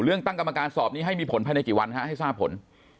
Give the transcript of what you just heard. ตั้งกรรมการสอบนี้ให้มีผลภายในกี่วันให้ทราบผล